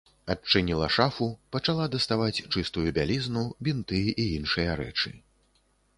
Адчыніла шафу, пачала даставаць чыстую бялізну, бінты і іншыя рэчы.